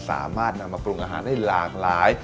สามารถนำมาปรุงอาหารได้หลากหลาย